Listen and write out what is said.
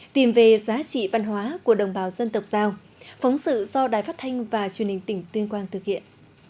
tìm về giá trị văn hóa của đồng bào dân tộc giao phóng sự do đài phát thanh và truyền hình tỉnh tuyên quang thực hiện